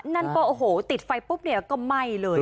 นั่นก็ติดไฟปุ๊บก็ไหม้เลย